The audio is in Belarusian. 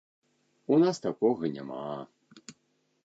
У нас такога няма.